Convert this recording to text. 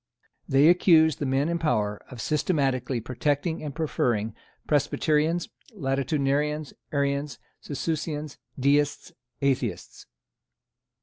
They accused the men in power of systematically protecting and preferring Presbyterians, Latitudinarians, Arians, Socinians, Deists, Atheists.